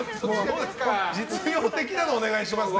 実用的なのをお願いしますね。